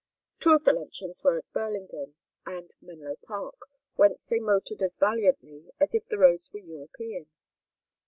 Two of the luncheons were at Burlingame and Menlo Park, whence they motored as valiantly as if the roads were European.